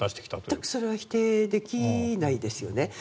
全くそれは否定できないですよね。